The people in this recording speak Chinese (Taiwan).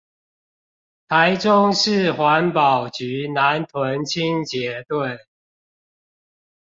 臺中市環保局南屯清潔隊